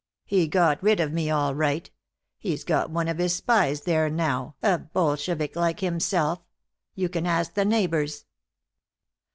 He got rid of me all right. He's got one of his spies there now, a Bolshevik like himself. You can ask the neighbors."